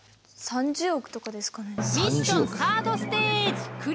３０億？